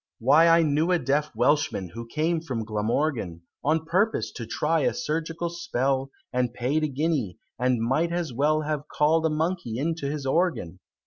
Why I knew a deaf Welshman, who came from Glamorgan On purpose to try a surgical spell, And paid a guinea, and might as well Have call'd a monkey into his organ!